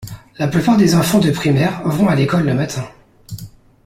La plupart des enfants de primaire vont à l'école le matin.